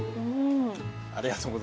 ありがとうございます。